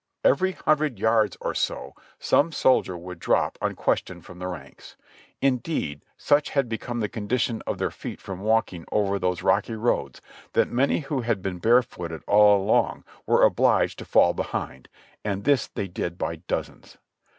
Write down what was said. Every hundred yards or so some soldier would drop unques tioned from the ranks; indeed, such had become the condition of their feet from walking over those rocky roads, that many who had been barefooted all along were obliged to fall behind ; and this they did by dozens.